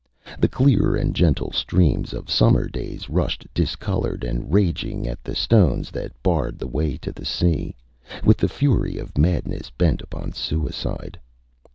The clear and gentle streams of summer days rushed discoloured and raging at the stones that barred the way to the sea, with the fury of madness bent upon suicide.